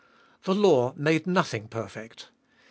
The law made nothing perfect.